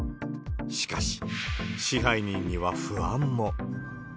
しかし、支配人には不安も。